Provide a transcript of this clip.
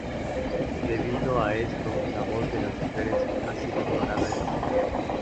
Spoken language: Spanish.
Debido a esto, la voz de las mujeres ha sido ignorada y reprimida.